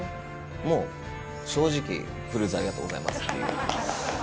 もう正直、フルーツありがとうございますっていう。